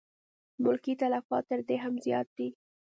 ملکي تلفات تر دې هم زیات دي.